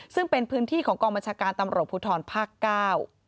ซึ่งเป็นพื้นที่ของกองบัญชาการตำรวจภูทรภาคเก้า